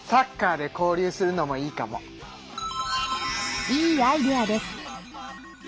いいアイデアです。